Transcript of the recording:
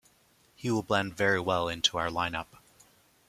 He will blend very well into our line-up.